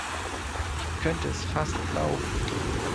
Ich könnte es fast glauben.